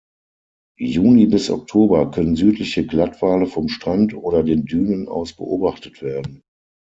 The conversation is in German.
Juni bis Oktober, können südliche Glattwale vom Strand oder den Dünen aus beobachtet werden.